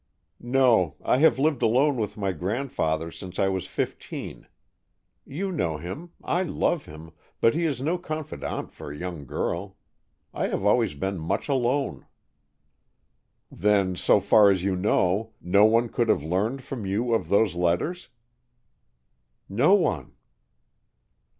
"No. I have lived alone with my grandfather since I was fifteen. You know him, I love him, but he is no confidant for a young girl. I have always been much alone." "Then, so far as you know, no one could have learned from you of those letters?" "No one."